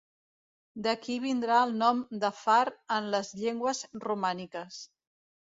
D'aquí vindrà el nom de far en les llengües romàniques.